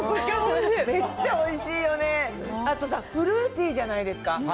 めっちゃおいしいよね、あとさ、フルーティーじゃないですか。